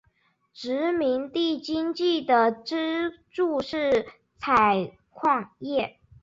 殖民地经济的支柱是采矿业。